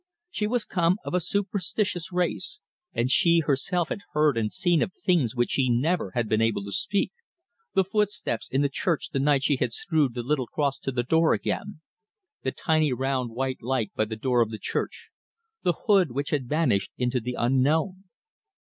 She was come of a superstitious race, and she herself had heard and seen things of which she never had been able to speak the footsteps in the church the night she had screwed the little cross to the door again; the tiny round white light by the door of the church; the hood which had vanished into the unknown.